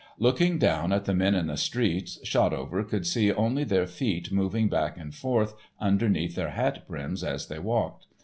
Looking down at the men in the streets, Shotover could see only their feet moving back and forth underneath their hat brims as they walked.